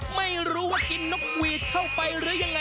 ไม่รู้ว่ากินนกหวีดเข้าไปหรือยังไง